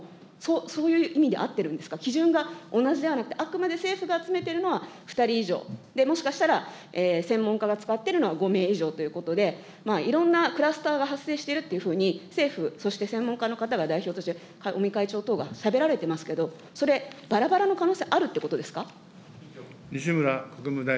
そういう意味で会ってるんですか、基準が同じではなくて、あくまで政府が集めているのは２人以上、もしかしたら、専門家が使っているのは５名以上ということで、いろんなクラスターが発生しているというふうに政府、そして専門家の方が代表して、尾身会長等がしゃべられてますけど、それ、ばらばらの可能性、あるってことですか。